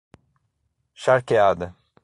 Charqueada